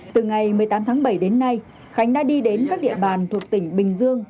từ ngày một mươi tám tháng bảy đến nay khánh đã đi đến các địa bàn thuộc tỉnh bình dương